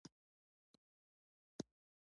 ښکاري، چې د ګوریزیا دي، دوی له موږ وړاندې راغلي دي.